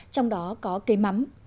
trong đó có cây mắm